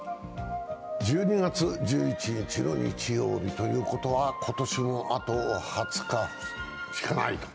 １２月１１日の日曜日ということは今年も、あと２０日しかないと。